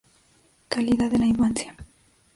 Calidad de la infancia